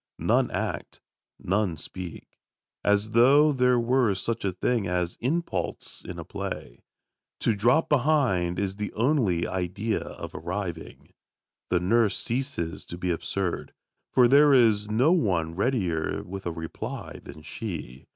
None act, none speak, as though there were such a thing as impulse in a play. To drop behind is the only idea of arriving. The nurse ceases to be absurd, for there is no one readier with a reply than she.